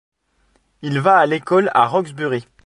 Il va à l'école à Roxbury.